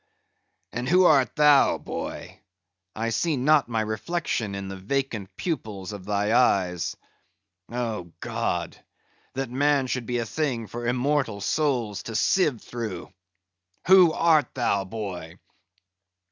"And who art thou, boy? I see not my reflection in the vacant pupils of thy eyes. Oh God! that man should be a thing for immortal souls to sieve through! Who art thou, boy?"